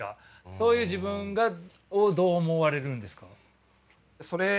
そういう自分をどう思われるんですか？